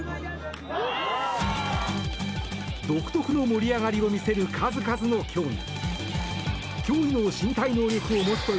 独特の盛り上がりを見せる数々の競技。